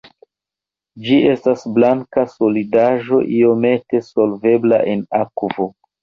Ĝi estas blanka solidaĵo iomete solvebla en akvo.